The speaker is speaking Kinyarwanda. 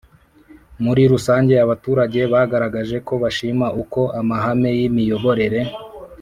Muri rusange abaturage bagaragaje ko bashima uko amahame y imiyoborere